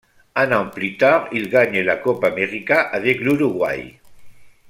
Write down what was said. Un an plus tard, il gagne la Copa América avec l'Uruguay.